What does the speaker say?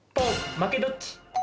負けどっち？